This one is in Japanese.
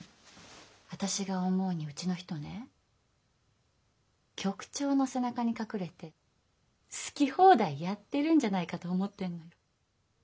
私が思うにうちの人ね局長の背中に隠れて好き放題やってるんじゃないかと思ってんのよ。